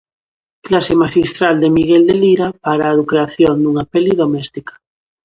Clase maxistral de Miguel de Lira para a creación dunha peli doméstica.